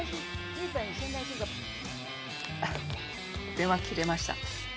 電話切れました。